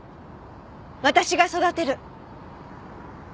私が育てる。